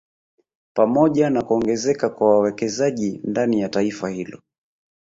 Pamoja na kuongezeka kwa wawekezaji ndani ya taifa hilo